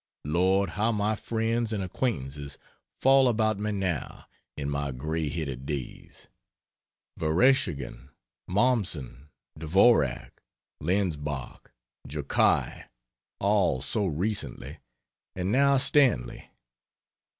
Lord, how my friends and acquaintances fall about me now, in my gray headed days! Vereschagin, Mommsen, Dvorak, Lenbach, Jokai all so recently, and now Stanley.